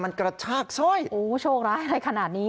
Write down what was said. มันกระชากสร้อยโอ้โชคร้ายอะไรขนาดนี้